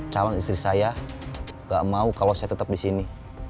calon istri saya gak mau kalau saya tetap di sini